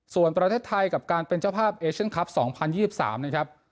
ส่วนประเทศไทยกับการเป็นเจ้าภาพเอเชียนคลับ๒๐๒๓นะครับ